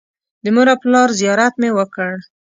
د مور او پلار زیارت مې وکړ.